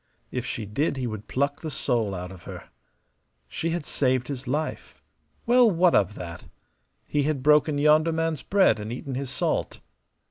If she did he would pluck the soul out of her. She had saved his life. Well, what of that? He had broken yonder man's bread and eaten his salt.